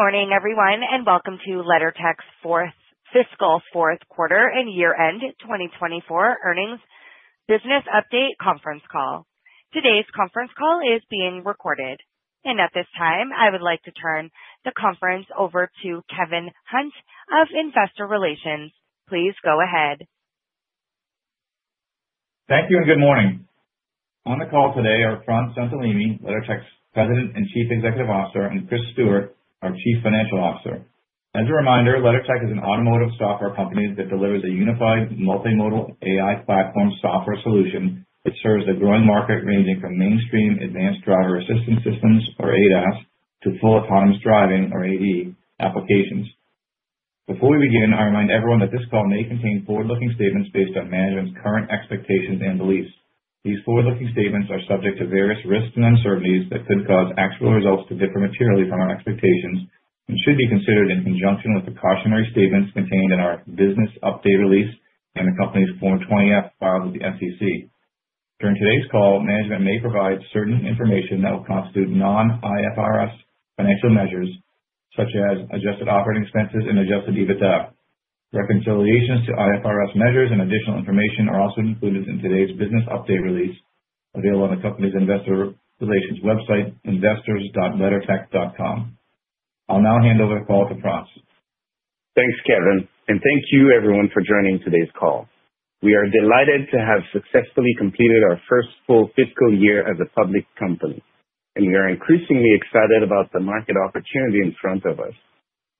Good morning, everyone, and welcome to LeddarTech's fiscal fourth quarter and year-end 2024 earnings business update conference call. Today's conference call is being recorded, and at this time, I would like to turn the conference over to Kevin Hunt of Investor Relations. Please go ahead. Thank you, and good morning. On the call today are Frantz Saintellemy, LeddarTech's President and Chief Executive Officer, and Chris Stewart, our Chief Financial Officer. As a reminder, LeddarTech is an automotive software company that delivers a unified multimodal AI platform software solution that serves a growing market ranging from mainstream advanced driver assistance systems, or ADAS, to full autonomous driving, or AD, applications. Before we begin, I remind everyone that this call may contain forward-looking statements based on management's current expectations and beliefs. These forward-looking statements are subject to various risks and uncertainties that could cause actual results to differ materially from our expectations and should be considered in conjunction with the cautionary statements contained in our business update release and the company's Form 20-F filed with the SEC. During today's call, management may provide certain information that will constitute non-IFRS financial measures, such as adjusted operating expenses and Adjusted EBITDA. Reconciliations to IFRS measures and additional information are also included in today's business update release available on the company's Investor Relations website, investors.leddartech.com. I'll now hand over the call to Frantz. Thanks, Kevin, and thank you, everyone, for joining today's call. We are delighted to have successfully completed our first full fiscal year as a public company, and we are increasingly excited about the market opportunity in front of us.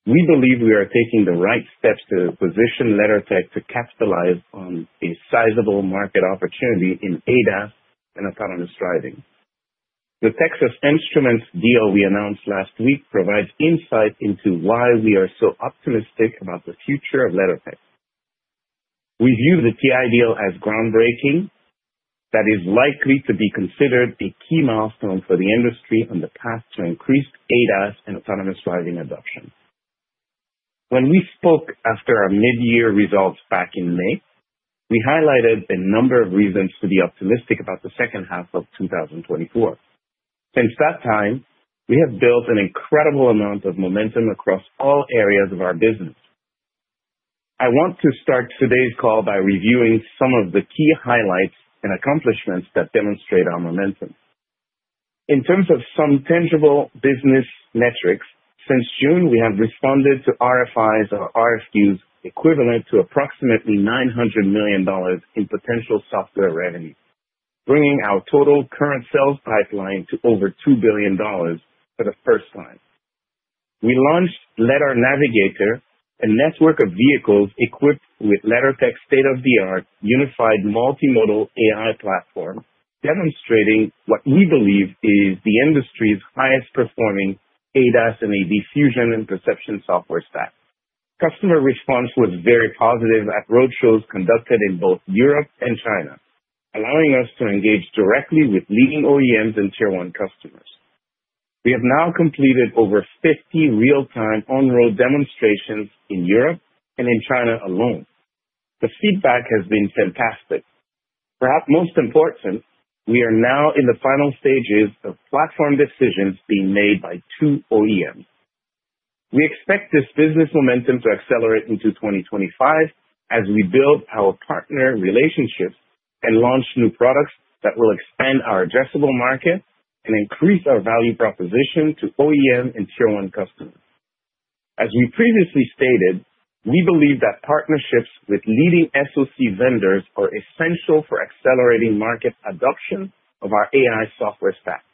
We believe we are taking the right steps to position LeddarTech to capitalize on a sizable market opportunity in ADAS and autonomous driving. The Texas Instruments deal we announced last week provides insight into why we are so optimistic about the future of LeddarTech. We view the TI deal as groundbreaking, that is, likely to be considered a key milestone for the industry on the path to increased ADAS and autonomous driving adoption. When we spoke after our mid-year results back in May, we highlighted a number of reasons to be optimistic about the second half of 2024. Since that time, we have built an incredible amount of momentum across all areas of our business. I want to start today's call by reviewing some of the key highlights and accomplishments that demonstrate our momentum. In terms of some tangible business metrics, since June, we have responded to RFIs or RFQs equivalent to approximately $900 million in potential software revenue, bringing our total current sales pipeline to over $2 billion for the first time. We launched Leddar Navigator, a network of vehicles equipped with LeddarTech's state-of-the-art unified multimodal AI platform, demonstrating what we believe is the industry's highest-performing ADAS and AD fusion and perception software stack. Customer response was very positive at roadshows conducted in both Europe and China, allowing us to engage directly with leading OEMs and tier-one customers. We have now completed over 50 real-time on-road demonstrations in Europe and in China alone. The feedback has been fantastic. Perhaps most important, we are now in the final stages of platform decisions being made by two OEMs. We expect this business momentum to accelerate into 2025 as we build our partner relationships and launch new products that will expand our addressable market and increase our value proposition to OEM and tier-one customers. As we previously stated, we believe that partnerships with leading SoC vendors are essential for accelerating market adoption of our AI software stack.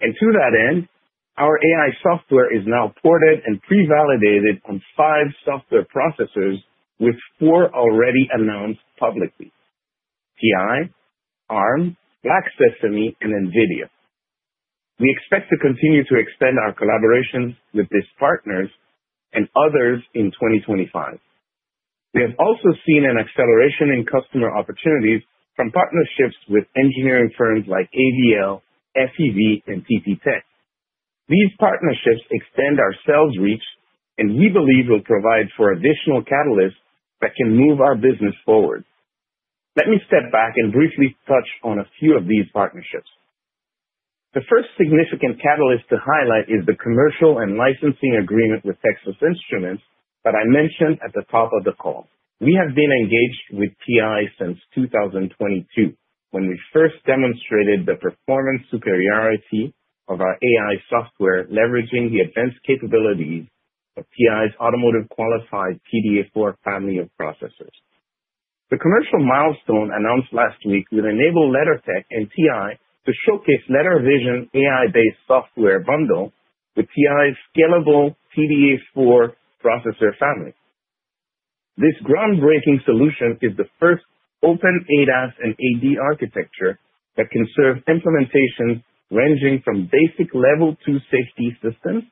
And to that end, our AI software is now ported and pre-validated on five software processors with four already announced publicly: TI, Arm, Black Sesame, and NVIDIA. We expect to continue to extend our collaborations with these partners and others in 2025. We have also seen an acceleration in customer opportunities from partnerships with engineering firms like AVL, FEV, and TTTech. These partnerships extend our sales reach, and we believe will provide for additional catalysts that can move our business forward. Let me step back and briefly touch on a few of these partnerships. The first significant catalyst to highlight is the commercial and licensing agreement with Texas Instruments that I mentioned at the top of the call. We have been engaged with TI since 2022, when we first demonstrated the performance superiority of our AI software leveraging the advanced capabilities of TI's automotive-qualified TDA4 family of processors. The commercial milestone announced last week will enable LeddarTech and TI to showcase LeddarVision AI-based software bundle with TI's scalable TDA4 processor family. This groundbreaking solution is the first open ADAS and AD architecture that can serve implementations ranging from basic Level 2 safety systems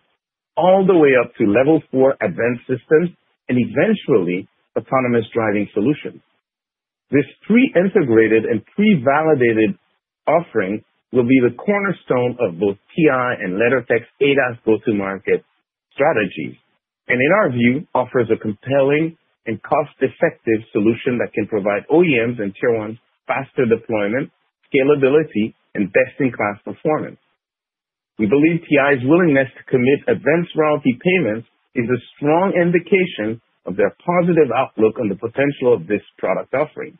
all the way up to Level 4 advanced systems and eventually autonomous driving solutions. This pre-integrated and pre-validated offering will be the cornerstone of both TI and LeddarTech's ADAS go-to-market strategies, and in our view, offers a compelling and cost-effective solution that can provide OEMs and tier-ones faster deployment, scalability, and best-in-class performance. We believe TI's willingness to commit advanced royalty payments is a strong indication of their positive outlook on the potential of this product offering.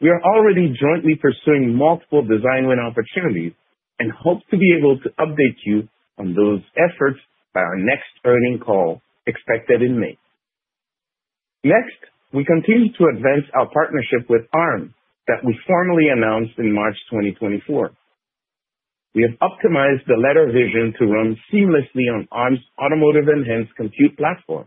We are already jointly pursuing multiple design-win opportunities and hope to be able to update you on those efforts by our next earnings call expected in May. Next, we continue to advance our partnership with Arm that we formally announced in March 2024. We have optimized the LeddarVision to run seamlessly on Arm's automotive-enhanced compute platform.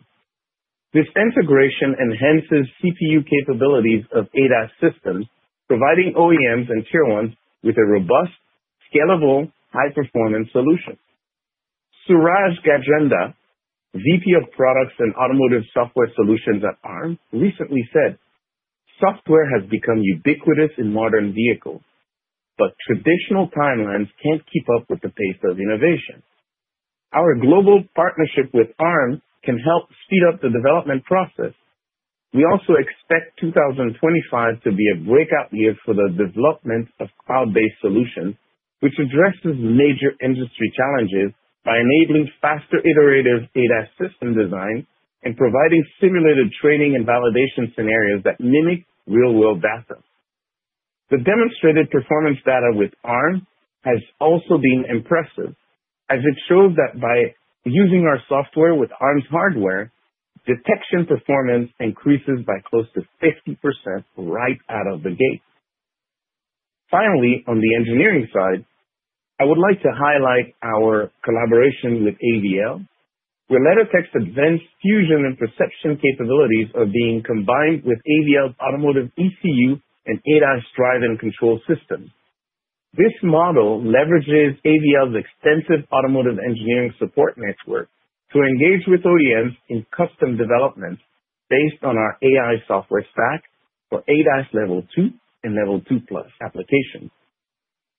This integration enhances CPU capabilities of ADAS systems, providing OEMs and tier-ones with a robust, scalable, high-performance solution. Suraj Gajendra, VP of Products and Automotive Software Solutions at Arm, recently said, "Software has become ubiquitous in modern vehicles, but traditional timelines can't keep up with the pace of innovation. Our global partnership with Arm can help speed up the development process." We also expect 2025 to be a breakout year for the development of cloud-based solutions, which addresses major industry challenges by enabling faster iterative ADAS system design and providing simulated training and validation scenarios that mimic real-world data. The demonstrated performance data with Arm has also been impressive, as it shows that by using our software with Arm's hardware, detection performance increases by close to 50% right out of the gate. Finally, on the engineering side, I would like to highlight our collaboration with AVL, where LeddarTech's advanced fusion and perception capabilities are being combined with AVL's automotive ECU and ADAS drive and control systems. This model leverages AVL's extensive automotive engineering support network to engage with OEMs in custom developments based on our AI software stack for ADAS Level 2 and Level 2+ applications.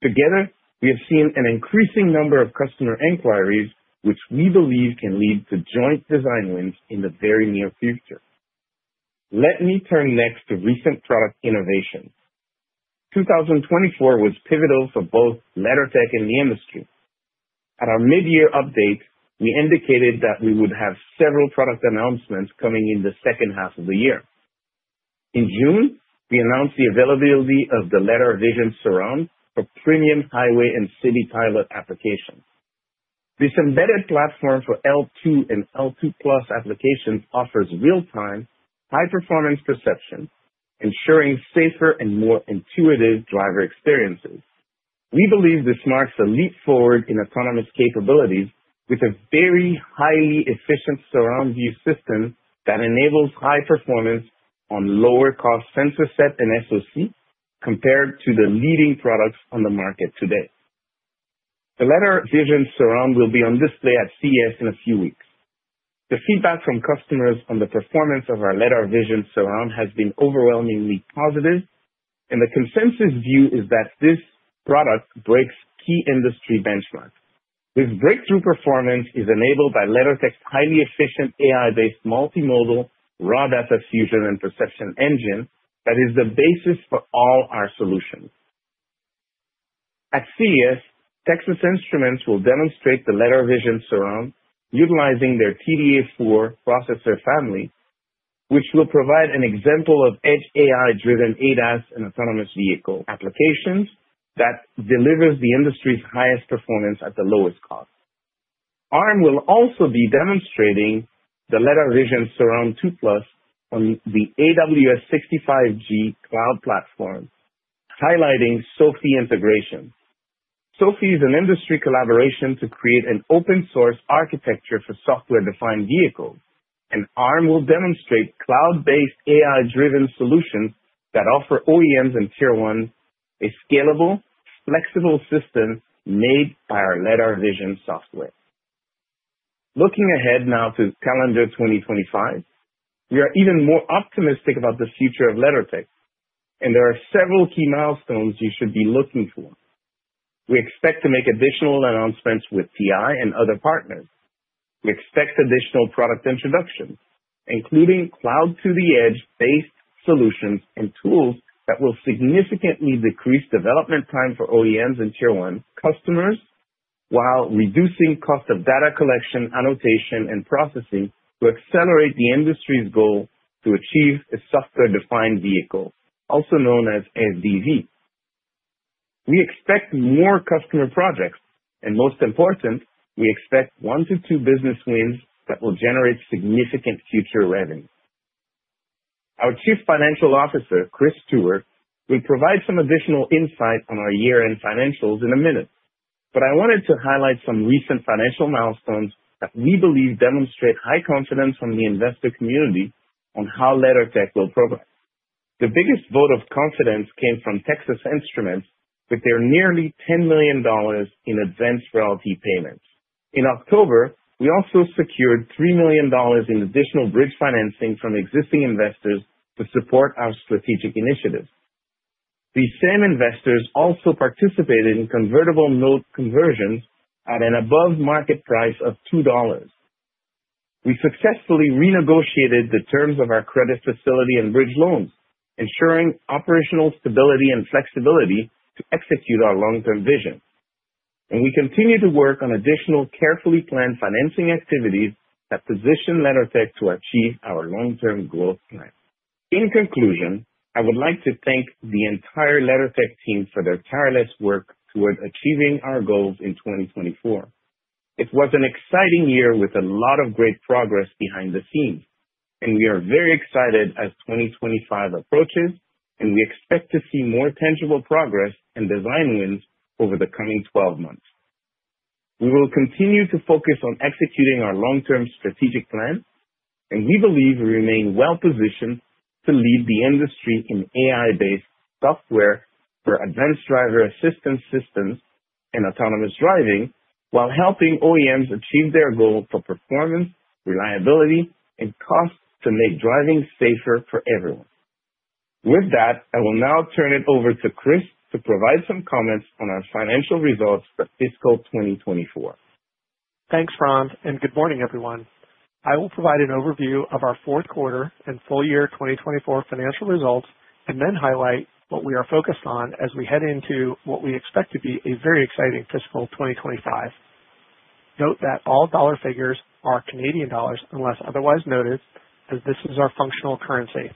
Together, we have seen an increasing number of customer inquiries, which we believe can lead to joint design wins in the very near future. Let me turn next to recent product innovation. 2024 was pivotal for both LeddarTech and the industry. At our mid-year update, we indicated that we would have several product announcements coming in the second half of the year. In June, we announced the availability of the LeddarVision Surround for premium highway and city pilot applications. This embedded platform for L2 and L2+ applications offers real-time, high-performance perception, ensuring safer and more intuitive driver experiences. We believe this marks a leap forward in autonomous capabilities with a very highly efficient surround view system that enables high performance on lower-cost sensor set and SoC compared to the leading products on the market today. The LeddarVision Surround will be on display at CES in a few weeks. The feedback from customers on the performance of our LeddarVision Surround has been overwhelmingly positive, and the consensus view is that this product breaks key industry benchmarks. This breakthrough performance is enabled by LeddarTech's highly efficient AI-based multimodal raw data fusion and perception engine that is the basis for all our solutions. At CES, Texas Instruments will demonstrate the LeddarVision Surround utilizing their TDA4 processor family, which will provide an example of edge AI-driven ADAS and autonomous vehicle applications that delivers the industry's highest performance at the lowest cost. Arm will also be demonstrating the LeddarVision Surround 2+ on the AWS G5g cloud platform, highlighting SOAFEE integration. SOAFEE is an industry collaboration to create an open-source architecture for software-defined vehicles, and Arm will demonstrate cloud-based AI-driven solutions that offer OEMs and tier-ones a scalable, flexible system made by our LeddarVision software. Looking ahead now to calendar 2025, we are even more optimistic about the future of LeddarTech, and there are several key milestones you should be looking for. We expect to make additional announcements with TI and other partners. We expect additional product introductions, including cloud-to-the-edge-based solutions and tools that will significantly decrease development time for OEMs and tier-ones customers while reducing cost of data collection, annotation, and processing to accelerate the industry's goal to achieve a software-defined vehicle, also known as SDV. We expect more customer projects, and most important, we expect one to two business wins that will generate significant future revenue. Our Chief Financial Officer, Chris Stewart, will provide some additional insight on our year-end financials in a minute, but I wanted to highlight some recent financial milestones that we believe demonstrate high confidence from the investor community on how LeddarTech will progress. The biggest vote of confidence came from Texas Instruments with their nearly $10 million in advanced royalty payments. In October, we also secured $3 million in additional bridge financing from existing investors to support our strategic initiative. These same investors also participated in convertible note conversions at an above-market price of $2. We successfully renegotiated the terms of our credit facility and bridge loans, ensuring operational stability and flexibility to execute our long-term vision. And we continue to work on additional carefully planned financing activities that position LeddarTech to achieve our long-term growth plan. In conclusion, I would like to thank the entire LeddarTech team for their tireless work toward achieving our goals in 2024. It was an exciting year with a lot of great progress behind the scenes, and we are very excited as 2025 approaches, and we expect to see more tangible progress and design wins over the coming 12 months. We will continue to focus on executing our long-term strategic plan, and we believe we remain well-positioned to lead the industry in AI-based software for advanced driver assistance systems and autonomous driving while helping OEMs achieve their goal for performance, reliability, and cost to make driving safer for everyone. With that, I will now turn it over to Chris to provide some comments on our financial results for fiscal 2024. Thanks, Fran, and good morning, everyone. I will provide an overview of our fourth quarter and full year 2024 financial results, and then highlight what we are focused on as we head into what we expect to be a very exciting fiscal 2025. Note that all dollar figures are Canadian dollars unless otherwise noted, as this is our functional currency.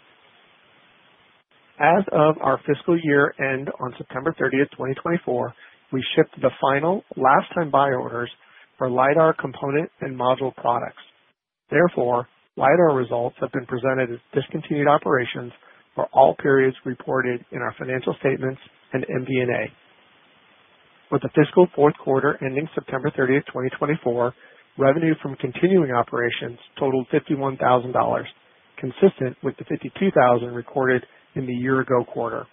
As of our fiscal year end on September 30, 2024, we shipped the final last-time buy orders for LiDAR component and module products. Therefore, LiDAR results have been presented as discontinued operations for all periods reported in our financial statements and MD&A. With the fiscal fourth quarter ending September 30, 2024, revenue from continuing operations totaled 51,000 dollars, consistent with the 52,000 recorded in the year-ago quarter.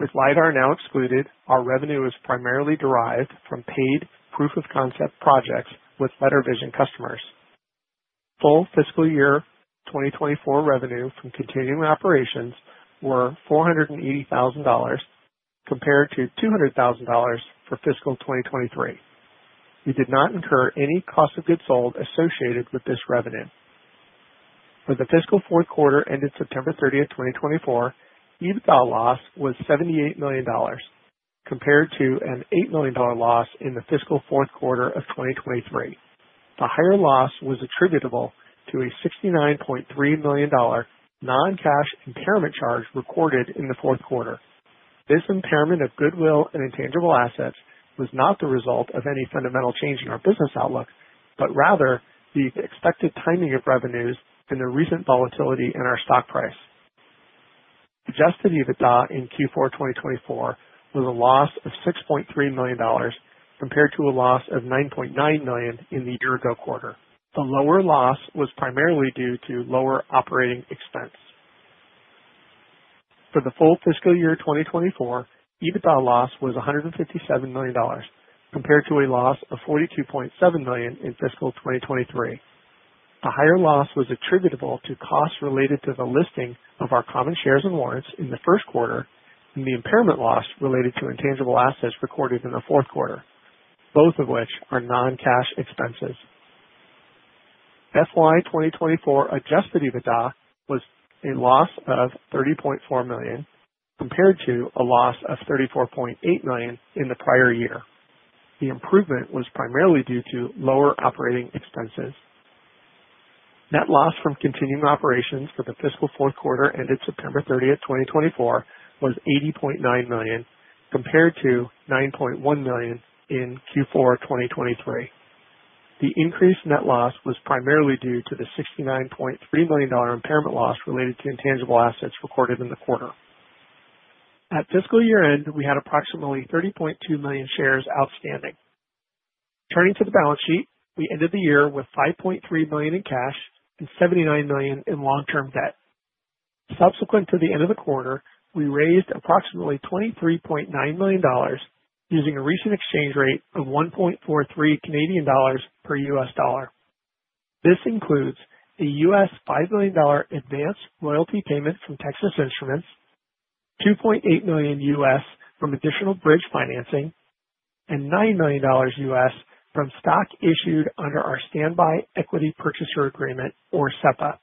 With LiDAR now excluded, our revenue is primarily derived from paid proof-of-concept projects with LeddarVision customers. Full fiscal year 2024 revenue from continuing operations were $480,000, compared to $200,000 for fiscal 2023. We did not incur any cost of goods sold associated with this revenue. For the fiscal fourth quarter ended September 30, 2024, EBITDA loss was $78 million, compared to an $8 million loss in the fiscal fourth quarter of 2023. The higher loss was attributable to a $69.3 million non-cash impairment charge recorded in the fourth quarter. This impairment of goodwill and intangible assets was not the result of any fundamental change in our business outlook, but rather the expected timing of revenues and the recent volatility in our stock price. Adjusted EBITDA in Q4 2024 was a loss of $6.3 million, compared to a loss of $9.9 million in the year-ago quarter. The lower loss was primarily due to lower operating expense. For the full fiscal year 2024, EBITDA loss was $157 million, compared to a loss of $42.7 million in fiscal 2023. The higher loss was attributable to costs related to the listing of our common shares and warrants in the first quarter and the impairment loss related to intangible assets recorded in the fourth quarter, both of which are non-cash expenses. FY 2024 Adjusted EBITDA was a loss of $30.4 million, compared to a loss of $34.8 million in the prior year. The improvement was primarily due to lower operating expenses. Net loss from continuing operations for the fiscal fourth quarter ended September 30, 2024, was $80.9 million, compared to $9.1 million in Q4 2023. The increased net loss was primarily due to the $69.3 million impairment loss related to intangible assets recorded in the quarter. At fiscal year end, we had approximately 30.2 million shares outstanding. Turning to the balance sheet, we ended the year with $5.3 million in cash and $79 million in long-term debt. Subsequent to the end of the quarter, we raised approximately $23.9 million using a recent exchange rate of 1.43 Canadian dollars per US dollar. This includes a $5 million advance royalty payment from Texas Instruments, $2.8 million from additional bridge financing, and $9 million from stock issued under our standby equity purchaser agreement, or SEPA.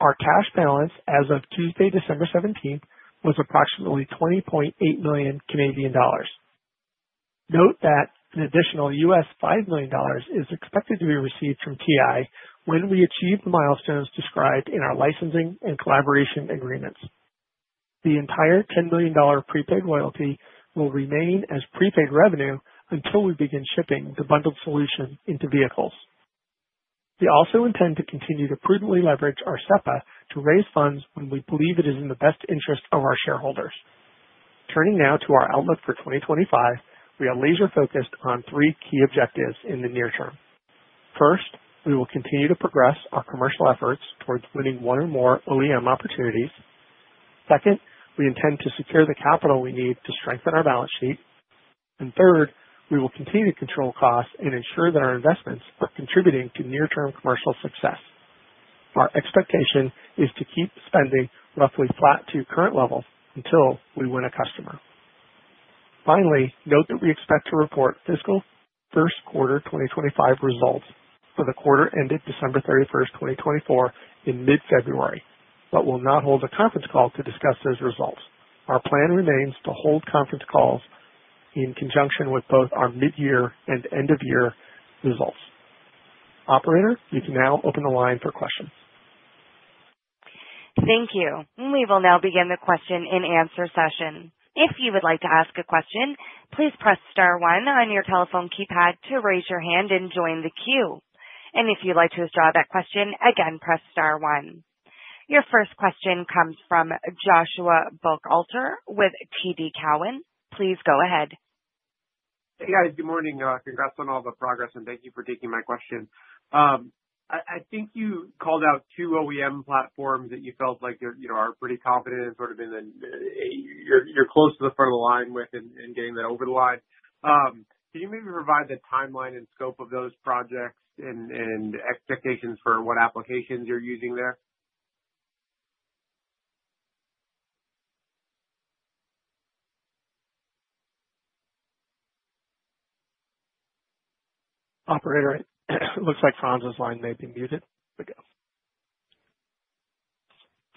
Our cash balance as of Tuesday, December 17, was approximately 20.8 million Canadian dollars. Note that an additional $5 million is expected to be received from TI when we achieve the milestones described in our licensing and collaboration agreements. The entire $10 million prepaid royalty will remain as prepaid revenue until we begin shipping the bundled solution into vehicles. We also intend to continue to prudently leverage our SEPA to raise funds when we believe it is in the best interest of our shareholders. Turning now to our outlook for 2025, we are laser-focused on three key objectives in the near term. First, we will continue to progress our commercial efforts towards winning one or more OEM opportunities. Second, we intend to secure the capital we need to strengthen our balance sheet. And third, we will continue to control costs and ensure that our investments are contributing to near-term commercial success. Our expectation is to keep spending roughly flat to current levels until we win a customer. Finally, note that we expect to report fiscal first quarter 2025 results for the quarter ended December 31, 2024, in mid-February, but will not hold a conference call to discuss those results. Our plan remains to hold conference calls in conjunction with both our mid-year and end-of-year results. Operator, you can now open the line for questions. Thank you. We will now begin the question and answer session. If you would like to ask a question, please press star one on your telephone keypad to raise your hand and join the queue. And if you'd like to withdraw that question, again, press star one. Your first question comes from Joshua Buchalter with TD Cowen. Please go ahead. Hey, guys. Good morning. Congrats on all the progress, and thank you for taking my question. I think you called out two OEM platforms that you felt like you are pretty confident in, sort of in the you're close to the front of the line with and getting that over the line. Can you maybe provide the timeline and scope of those projects and expectations for what applications you're using there? Operator, it looks like Fran's line may be muted.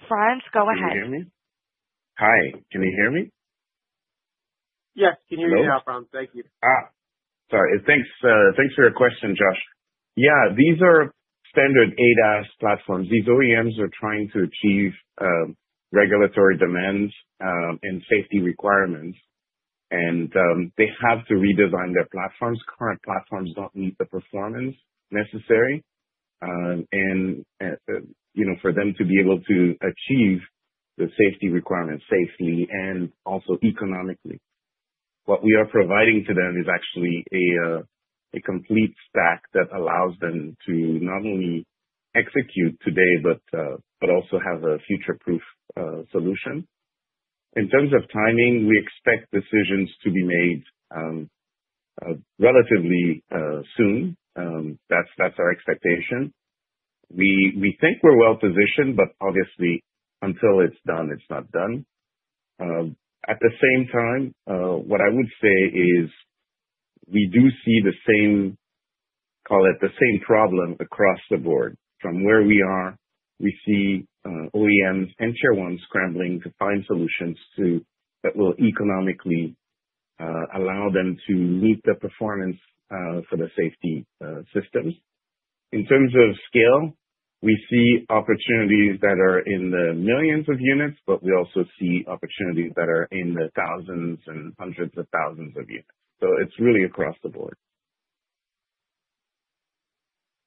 Frantz, go ahead. Can you hear me? Hi. Can you hear me? Yes. Can you hear me now, Fran? Thank you. Sorry. Thanks for your question, Josh. Yeah. These are standard ADAS platforms. These OEMs are trying to achieve regulatory demands and safety requirements, and they have to redesign their platforms. Current platforms don't meet the performance necessary for them to be able to achieve the safety requirements safely and also economically. What we are providing to them is actually a complete stack that allows them to not only execute today but also have a future-proof solution. In terms of timing, we expect decisions to be made relatively soon. That's our expectation. We think we're well-positioned, but obviously, until it's done, it's not done. At the same time, what I would say is we do see the same, call it the same problem across the board. From where we are, we see OEMs and tier-ones scrambling to find solutions that will economically allow them to meet the performance for the safety systems. In terms of scale, we see opportunities that are in the millions of units, but we also see opportunities that are in the thousands and hundreds of thousands of units. So it's really across the board.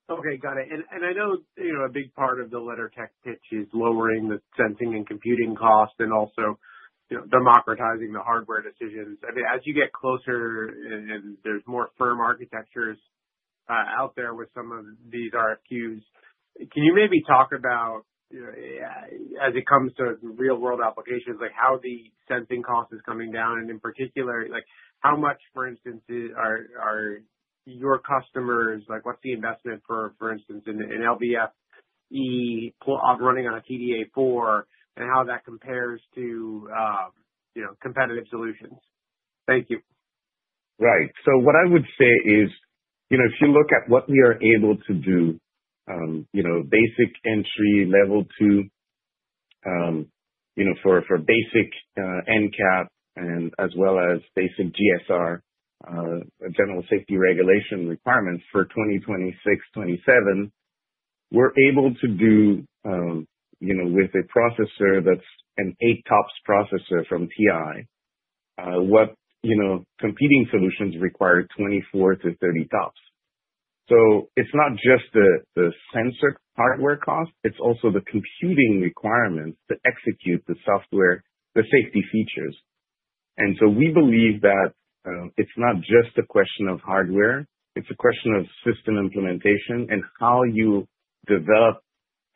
Okay. Got it. And I know a big part of the LeddarTech pitch is lowering the sensing and computing cost and also democratizing the hardware decisions. I mean, as you get closer and there's more firm architectures out there with some of these RFQs, can you maybe talk about, as it comes to real-world applications, how the sensing cost is coming down? And in particular, how much, for instance, are your customers—what's the investment, for instance, in LVF-E running on a TDA4, and how that compares to competitive solutions? Thank you. Right. So what I would say is if you look at what we are able to do, basic entry Level 2 for basic NCAP and as well as basic GSR, General Safety Regulation requirements for 2026, 2027, we're able to do with a processor that's an eight-tops processor from TI, what competing solutions require 24-30 tops. So it's not just the sensor hardware cost. It's also the computing requirements to execute the software, the safety features. We believe that it's not just a question of hardware. It's a question of system implementation and how you develop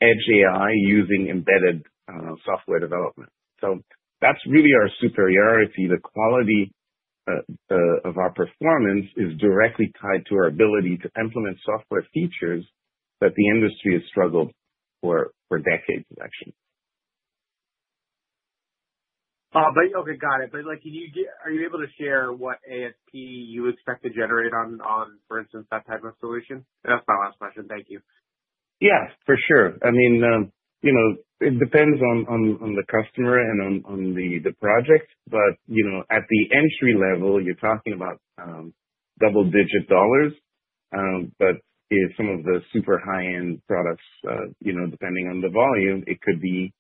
edge AI using embedded software development. So that's really our superiority. The quality of our performance is directly tied to our ability to implement software features that the industry has struggled for decades, actually. Okay. Got it. But are you able to share what ASP you expect to generate on, for instance, that type of solution? That's my last question. Thank you. Yeah. For sure. I mean, it depends on the customer and on the project. But at the entry level, you're talking about double-digit dollars. But some of the super high-end products, depending on the volume, it could be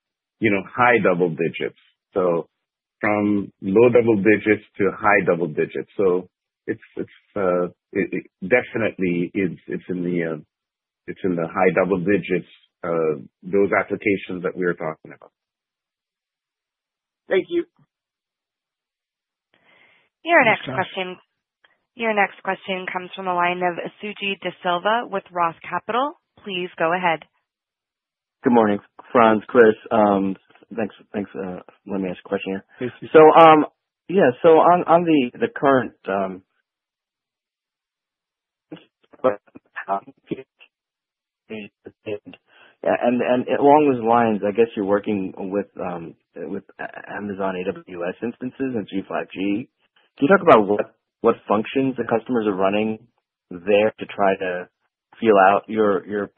high double digits. So from low double digits to high double digits. So it definitely is in the high double digits, those applications that we are talking about. Thank you. Your next question comes from the line of Suji Desilva with Roth Capital. Please go ahead. Good morning. Frantz, Chris, thanks. Let me ask a question here. And along those lines, I guess you're working with Amazon AWS instances and G5g. Can you talk about what functions the customers are running there to try to feel out your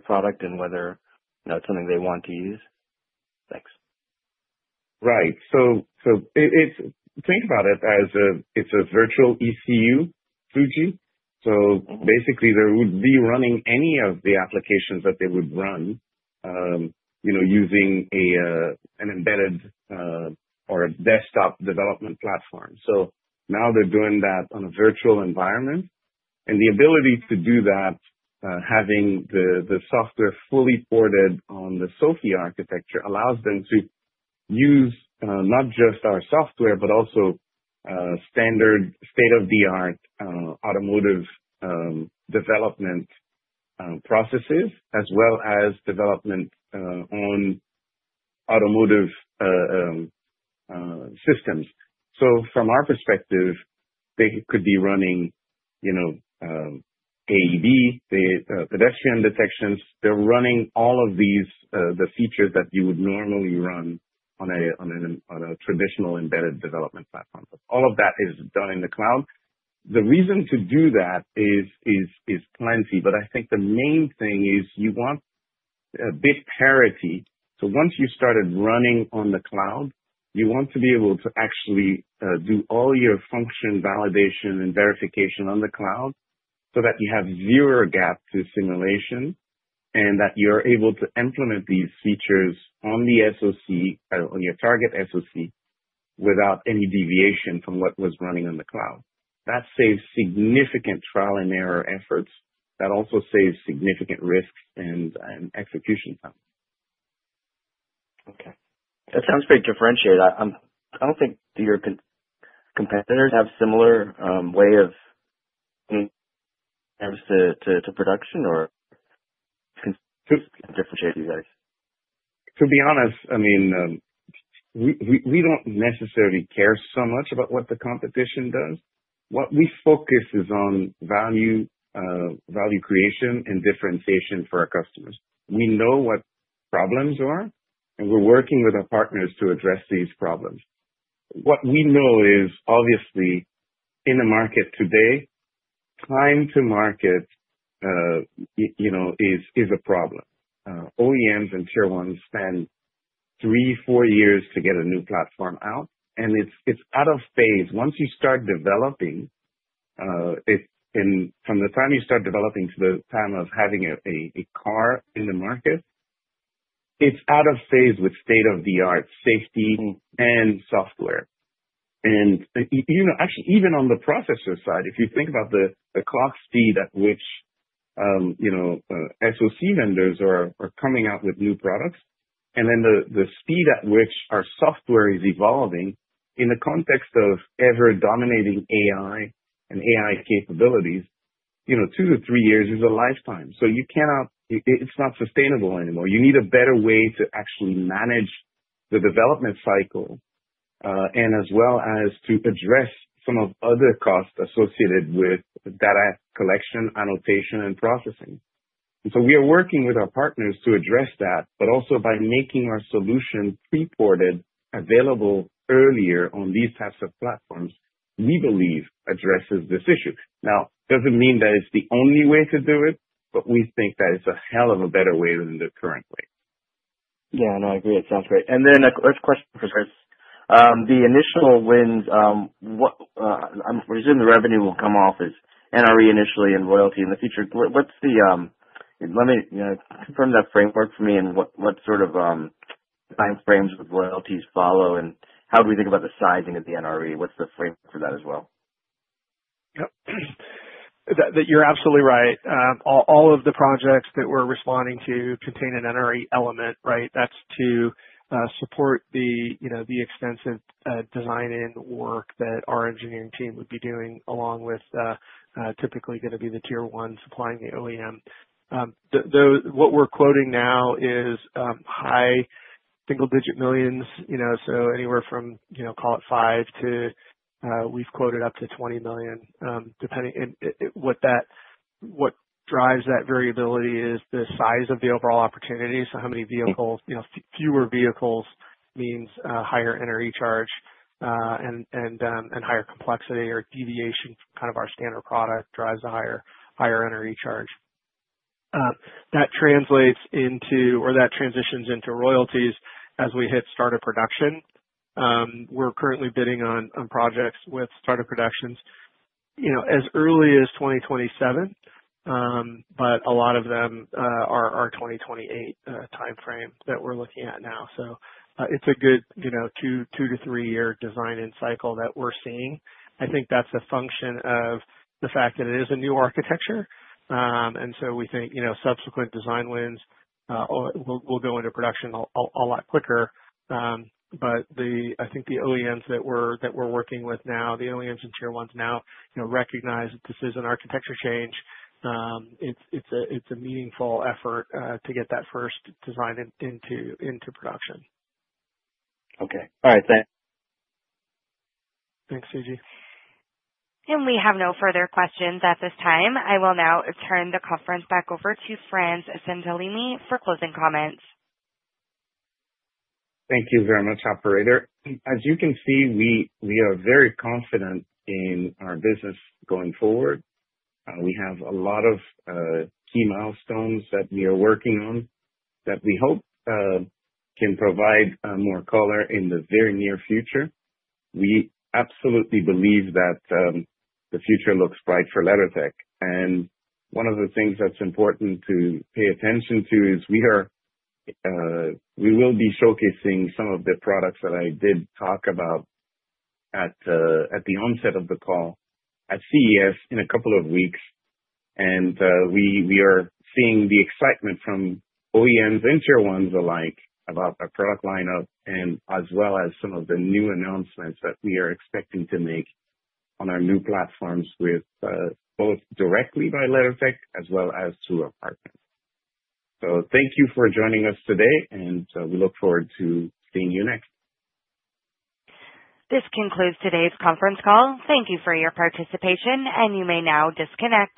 product and whether it's something they want to use? Thanks. Right. So think about it as it's a virtual ECU, Suji. So basically, they would be running any of the applications that they would run using an embedded or a desktop development platform. So now they're doing that on a virtual environment. And the ability to do that, having the software fully ported on the SOAFEE architecture, allows them to use not just our software but also standard state-of-the-art automotive development processes, as well as development on automotive systems. So from our perspective, they could be running AD, pedestrian detections. They're running all of the features that you would normally run on a traditional embedded development platform. All of that is done in the cloud. The reason to do that is plenty. But I think the main thing is you want a bit parity. So once you started running on the cloud, you want to be able to actually do all your function validation and verification on the cloud so that you have zero gap to simulation and that you're able to implement these features on the SoC, on your target SoC, without any deviation from what was running on the cloud. That saves significant trial and error efforts. That also saves significant risk and execution time. Okay. That sounds very differentiated. I don't think your competitors have a similar way of production or differentiate you guys. To be honest, I mean, we don't necessarily care so much about what the competition does. What we focus is on value creation and differentiation for our customers. We know what problems are, and we're working with our partners to address these problems. What we know is, obviously, in the market today, time to market is a problem. OEMs and tier-ones spend three, four years to get a new platform out. And it's out of phase. Once you start developing, from the time you start developing to the time of having a car in the market, it's out of phase with state-of-the-art safety and software. Actually, even on the processor side, if you think about the clock speed at which SoC vendors are coming out with new products and then the speed at which our software is evolving in the context of ever-dominating AI and AI capabilities, two to three years is a lifetime. It's not sustainable anymore. You need a better way to actually manage the development cycle and as well as to address some of other costs associated with data collection, annotation, and processing. We are working with our partners to address that, but also by making our solution pre-ported, available earlier on these types of platforms, we believe addresses this issue. Now, it doesn't mean that it's the only way to do it, but we think that it's a hell of a better way than the current way. Yeah. No, I agree. It sounds great. Then a quick question, Chris. The initial wins, I'm presuming the revenue will come off as NRE initially and royalty in the future. Let me confirm that framework for me and what sort of time frames with royalties follow, and how do we think about the sizing of the NRE? What's the framework for that as well? Yep. You're absolutely right. All of the projects that we're responding to contain an NRE element, right? That's to support the extensive design and work that our engineering team would be doing along with typically going to be the tier-ones supplying the OEM. What we're quoting now is high single-digit millions, so anywhere from, call it 5 to we've quoted up to 20 million. What drives that variability is the size of the overall opportunity. So how many vehicles? Fewer vehicles means a higher NRE charge and higher complexity or deviation from kind of our standard product drives a higher NRE charge. That translates into or that transitions into royalties as we hit startup production. We're currently bidding on projects with startup productions as early as 2027, but a lot of them are 2028 timeframe that we're looking at now. It's a good two to three-year design and cycle that we're seeing. I think that's a function of the fact that it is a new architecture, and so we think subsequent design wins will go into production a lot quicker. I think the OEMs that we're working with now, the OEMs and tier-ones now, recognize that this is an architecture change. It's a meaningful effort to get that first design into production. Okay. All right. Thanks. Thanks, Suji. And we have no further questions at this time. I will now turn the conference back over to Frantz Saintellemy for closing comments. Thank you very much, Operator. As you can see, we are very confident in our business going forward. We have a lot of key milestones that we are working on that we hope can provide more color in the very near future. We absolutely believe that the future looks bright for LeddarTech, and one of the things that's important to pay attention to is we will be showcasing some of the products that I did talk about at the onset of the call at CES in a couple of weeks, and we are seeing the excitement from OEMs and tier-ones alike about our product lineup, as well as some of the new announcements that we are expecting to make on our new platforms both directly by LeddarTech as well as to our partners. Thank you for joining us today, and we look forward to seeing you next. This concludes today's conference call. Thank you for your participation, and you may now disconnect.